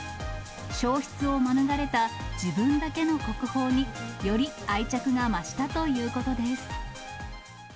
焼失を免れた自分だけの国宝に、より愛着が増したということです。